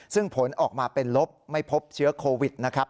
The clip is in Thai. ซึ่งผลออกมาเป็นลบไม่พบเชื้อโควิดนะครับ